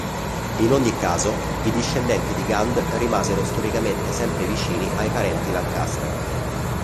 In ogni caso i discendenti di Gand rimasero storicamente sempre vicini ai parenti Lancaster.